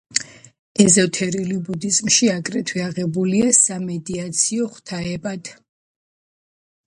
ეზოთერულ ბუდიზმში აგრეთვე აღებულია სამედიტაციო ღვთაებად.